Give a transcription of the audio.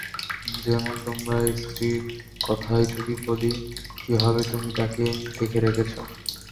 যেমন তোমার স্ত্রীর কথাই যদি বলি, কীভাবে তুমি তাঁকে দেখে রেখেছ।